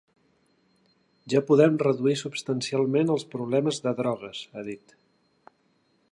Ja podem reduir substancialment els problemes de drogues, ha dit.